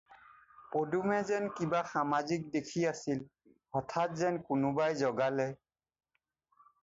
পদুমে যেন কিবা সমাজিক দেখি আছিল, হঠাৎ যেন কোনোবাই জগালে।